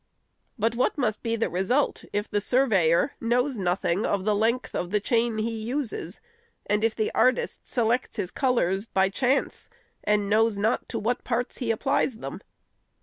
But what must be the result, if the surveyor knows nothing of the length of the chain he uses, and if the artist selects his colors by chance, and knows not to what parts he applies them?